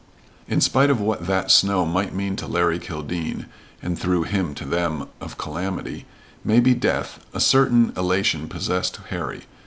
In spite of what that snow might mean to Larry Kildene, and through him to them, of calamity, maybe death, a certain elation possessed Harry.